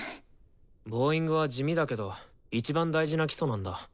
ボーイングは地味だけどいちばん大事な基礎なんだ。